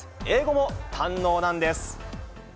英語も堪能なんです。